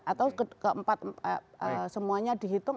atau keempat semuanya dihitung